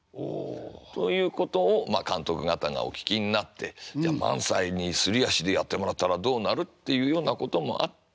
ということをまあ監督方がお聞きになってじゃあ萬斎にすり足でやってもらったらどうなるっていうようなこともあって